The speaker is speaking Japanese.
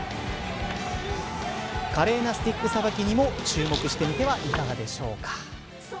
華麗なスティックさばきにも注目してみてはいかがでしょうか。